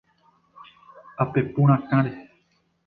Apepu rakãre.